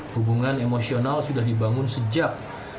hubungan emosional sudah dibangun sejak